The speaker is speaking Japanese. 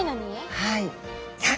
はい。